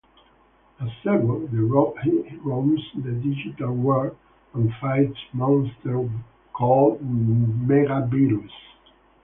As Servo, he roams the digital world and fights monsters called Mega-Viruses.